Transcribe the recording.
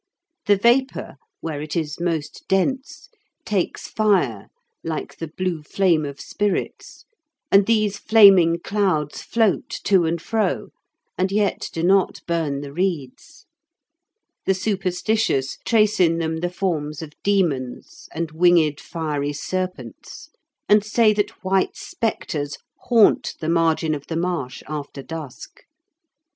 The vapour, where it is most dense, takes fire, like the blue flame of spirits, and these flaming clouds float to and fro, and yet do not burn the reeds. The superstitious trace in them the forms of demons and winged fiery serpents, and say that white spectres haunt the margin of the marsh after dusk.